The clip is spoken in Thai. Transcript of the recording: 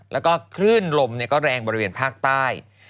แล้วก็คลื่นลมก็แรงบริเวณภาคใต้